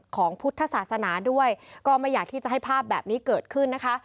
ของพุทธศาสนาด้วยก็ไม่อยากที่จะให้ภาพแบบนี้เกิดขึ้นนะคะ